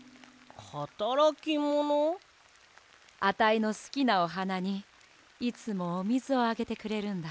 アタイのすきなおはなにいつもおみずをあげてくれるんだ。